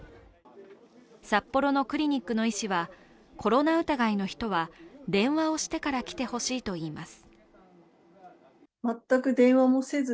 札幌のクリニックの医師は、コロナ疑いの人は電話をしてから来てほしいと言います。